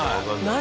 何？